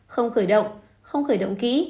không khởi động không khởi động kỹ